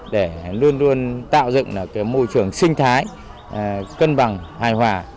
để luôn luôn tạo dựng cái môi trường sinh thái cân bằng hài hòa